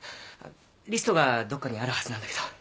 リストがどっかにあるはずなんだけど。